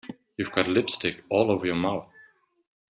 You've got lipstick all over your mouth.